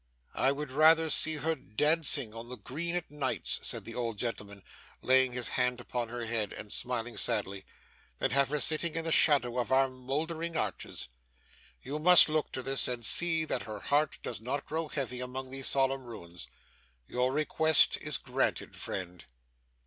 'I would rather see her dancing on the green at nights,' said the old gentleman, laying his hand upon her head, and smiling sadly, 'than have her sitting in the shadow of our mouldering arches. You must look to this, and see that her heart does not grow heavy among these solemn ruins. Your request is granted, friend.